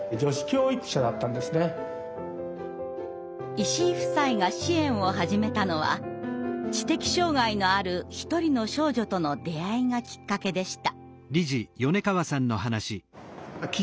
石井夫妻が支援を始めたのは知的障害のある一人の少女との出会いがきっかけでした。